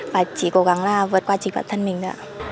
và chỉ cố gắng là vượt qua trình bản thân mình thôi ạ